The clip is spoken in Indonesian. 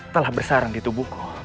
telah bersarang di tubuhku